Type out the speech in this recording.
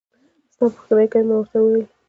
ستا پوښتنه يې کوله ما ورته وويل.